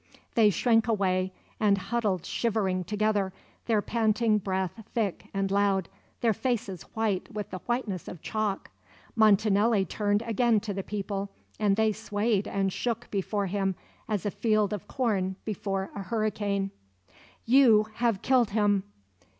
They shrank away and huddled shivering together, their panting breath thick and loud, their faces white with the whiteness of chalk. Montanelli turned again to the people, and they swayed and shook before him, as a field of corn before a hurricane. "You have killed him!